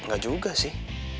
gak juga sih